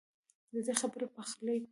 ددې خبر پخلی کړی